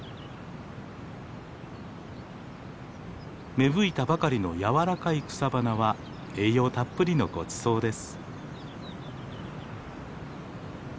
芽吹いたばかりの柔らかい草花は栄養たっぷりのごちそうです。